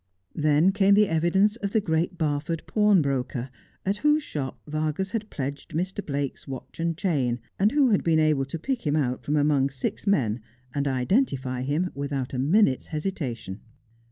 Then came the evidence of the Great Barford pawnbroker, at whose shop Vargas had pledged Mr. Blake's watch and chain, and who had been able to pick him out from among six men, and identify him, without a minute's hesitation.